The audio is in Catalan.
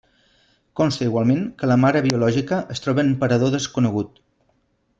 Consta igualment que la mare biològica es troba en parador desconegut.